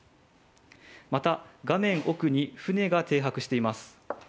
また画面奥に船が停泊しています。